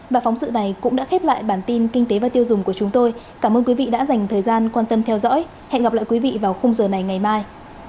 và phóng sự này cũng đã khép lại bản tin kinh tế và tiêu dùng của chúng tôi cảm ơn quý vị đã dành thời gian quan tâm theo dõi hẹn gặp lại quý vị vào khung giờ này ngày mai